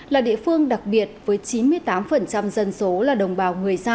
là địa phương đặc biệt với chín mươi tám dân số là đồng bào người việt nam